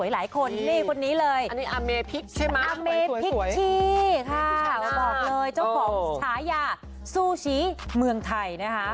เจ้าของชะยะซูชิเมืองไทยนะค่ะ